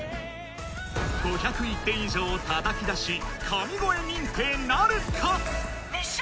５０１点以上をたたき出し神声認定なるか⁉・熱唱！